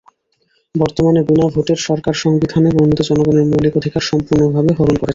বর্তমান বিনা ভোটের সরকার সংবিধানে বর্ণিত জনগণের মৌলিক অধিকার সম্পূর্ণভাবে হরণ করেছে।